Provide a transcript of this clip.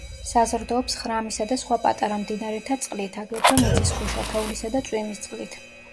საზრდოობს ხრამისა და სხვა პატარა მდინარეთა წყლით, აგრეთვე მიწისქვეშა, თოვლისა და წვიმის წყლით.